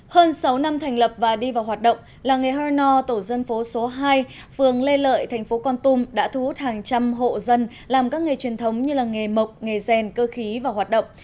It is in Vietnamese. hơn sáu năm thành lập và đi vào hoạt động làng nghề hano tổ dân phố số hai phường lê lợi thành phố quang tum đã thu hút hàng trăm hộ dân làm các nghề truyền thống như làng nghề mộc nghề gen cơ khí và hoạt động